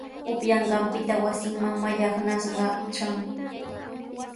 Upyanqanpita wasinman mallaqnashqa tran.